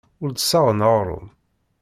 Ur d-ssaɣen aɣrum.